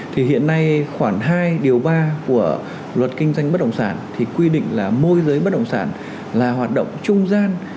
thì hiện nay khoảng hai điều ba của luật kinh doanh bất động sản thì quy định là môi giới bất động sản là hoạt động trung gian